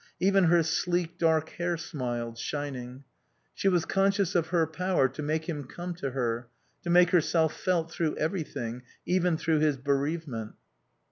Even her sleek, dark hair smiled, shining. She was conscious of her power to make him come to her, to make herself felt through everything, even through his bereavement.